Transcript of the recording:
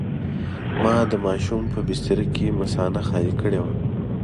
ما د ماشوم په بستره کې مثانه خالي کړې وه.